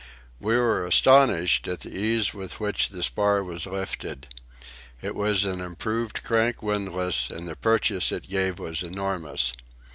We were astonished at the ease with which the spar was lifted. It was an improved crank windlass, and the purchase it gave was enormous.